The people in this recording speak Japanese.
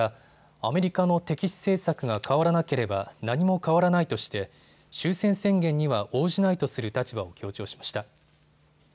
アメリカの敵視政策が変わらなければ何も変わらないとして終戦宣言には応じないとする立場を強調しました。